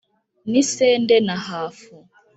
N'isende na hafu,